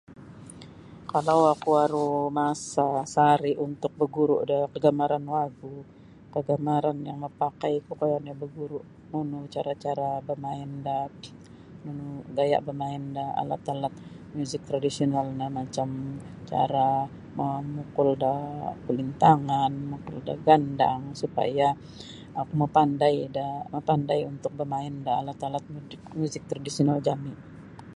Kalau oku aru masa saari' untuk baguru' da kagamaran wagu kagamaran yang mapakaiku koyo nio baguru' nunu cara-cara bamain da nunu gaya' bamain da alat-alat muzik tradisional no macam cara mamukul daa kulintangan mamukul da gandang supaya oku mapandai da mapandai untuk bamain da alat-alat muzik tradisional jami'.